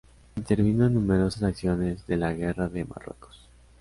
Intervino en numerosas acciones d la Guerra de Marruecos.